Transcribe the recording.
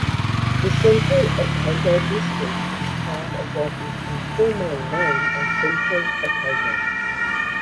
The Central Otago District is part of what is informally known as Central Otago.